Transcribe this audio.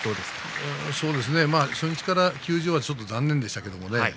初日から休場はちょっと残念でしたけれどね